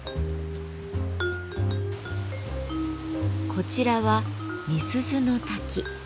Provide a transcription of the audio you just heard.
こちらは「瓶子の滝」。